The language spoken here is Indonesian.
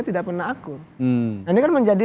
tidak pernah akur ini kan menjadi